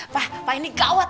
pak pak ini gawat